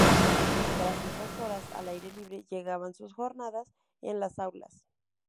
Tras esas horas al aire libre, llegaban sus jornadas en las aulas.